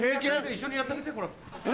一緒にやってあげてほら。